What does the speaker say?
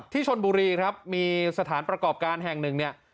ชนบุรีครับมีสถานประกอบการแห่งหนึ่งเนี่ย